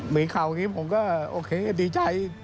มีข่าวอย่างนี้ผมก็โอเคดีใจ